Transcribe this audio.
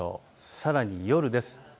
さらに夜です。